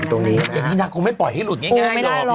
อย่างนี้นักลงไม่ปล่อยให้หลุดง่าย